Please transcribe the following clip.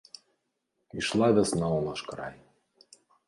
Ішла вясна ў наш край.